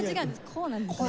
こうなんですね。